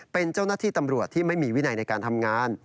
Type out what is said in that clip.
เป็นเจ้าหน้าที่ตำรวจที่ไม่มีวินัยในการทำงาน